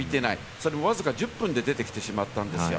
それもわずか１０分で出てきてしまったんですよ。